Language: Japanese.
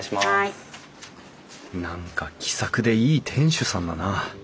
何か気さくでいい店主さんだな。